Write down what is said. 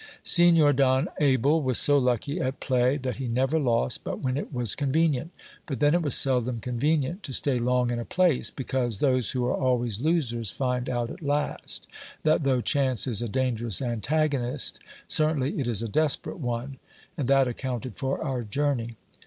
Signor Don Abel was so lucky at play, that he never lost but when it was convenient ; but then it was seldom convenient to stay long in a place, because those who are always losers find out at last, that though chance is a dangerous antagonist, certainly it is a desperate one ; and that accounted for our journey.